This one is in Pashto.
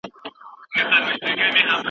موږ باید د راتلونکي نسل لپاره کار وکړو.